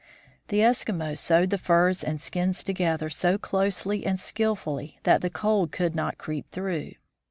The Eskimos sewed the furs and skins together so closely and skillfully that the cold could not creep through.